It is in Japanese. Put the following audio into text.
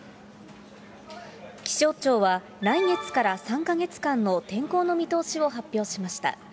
気象庁は、来月から３か月間の天候の見通しを発表しました。